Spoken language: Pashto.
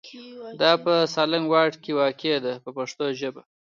دا په سالنګ واټ کې واقع ده په پښتو ژبه.